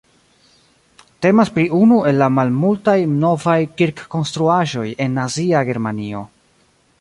Temas pri unu el la malmultaj novaj kirkkonstruaĵoj en Nazia Germanio.